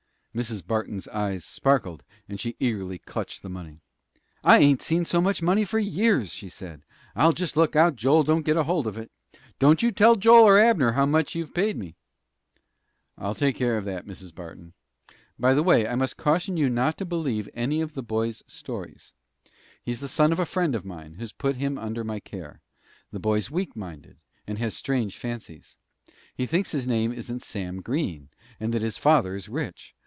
Mrs. Barton's eyes sparkled, and she eagerly clutched the money. "I ain't seen so much money for years," she said. "I'll jest look out Joel don't get hold of it. Don't you tell Joel or Abner how much you've paid me." "I'll take care of that, Mrs. Barton. By the way, I must caution you not to believe any of the boy's stories. He's the son of a friend of mine, who's put him under my care. The boy's weak minded, and has strange fancies. He thinks his name isn't Sam Green, and that his father is rich.